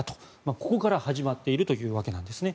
ここから始まっているというわけなんですね。